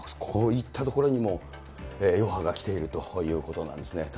こういったところにも余波が来ているということなんですね。